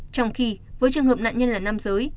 trong khi với trường hợp nạn nhân là nam giới